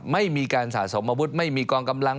ไม่มีการสะสมอาวุธไม่มีกองกำลัง